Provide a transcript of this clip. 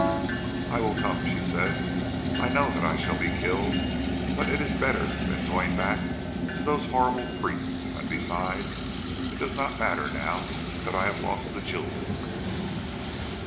"I will come," she said. "I know that I shall be killed, but it is better than going back to those horrible priests; and besides, it does not matter now that I have lost the jewels."